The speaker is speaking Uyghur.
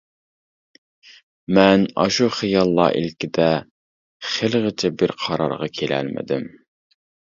مەن ئاشۇ خىياللار ئىلكىدە خېلىغىچە بىر قارارغا كېلەلمىدىم.